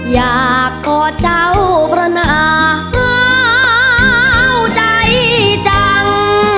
อยากกอดเจ้ากระหนาหาวใจจัง